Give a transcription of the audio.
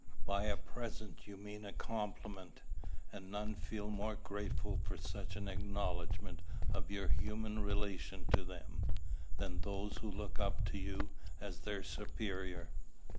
By a present you mean a compliment; and none feel more grateful for such an acknowledgment of your human relation to them, than those who look up to you as their superior."